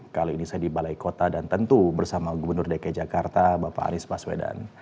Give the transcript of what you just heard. kali ini saya di balai kota dan tentu bersama gubernur dki jakarta bapak anies baswedan